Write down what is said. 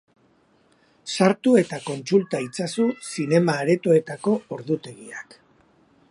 Sartu eta kontsulta itzazu zinema-aretoetako ordutegiak.